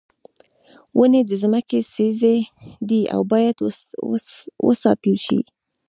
ونې د ځمکې سږی دي او باید وساتل شي.